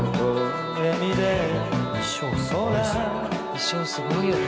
衣装すごいですね。